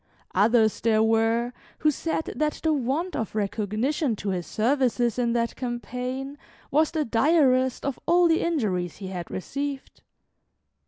Others there were who said that the want of recognition to his services in that campaign was the direst of all the injuries he had received.